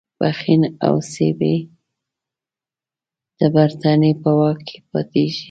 پښین او سیبی د برټانیې په واک کې پاتیږي.